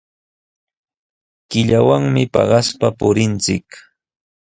Killawanmi paqaspa purinchik.